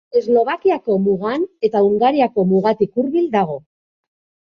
Eslovakiako mugan eta Hungariako mugatik hurbil dago.